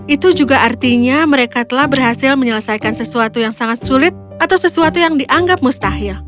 itu juga artinya mereka telah berhasil menyelesaikan sesuatu yang sangat sulit atau sesuatu yang dianggap mustahil